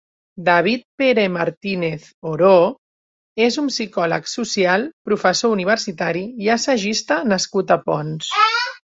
David Pere Martínez Oró és un psicòleg social, professor universitari i assagista nascut a Ponts.